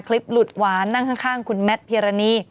คลิปหลุดหวานนั่งข้างคุณแมทพิรณี